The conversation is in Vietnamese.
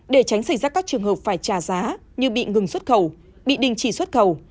để tránh xảy ra các trường hợp phải trả giá như bị ngừng xuất khẩu bị đình chỉ xuất khẩu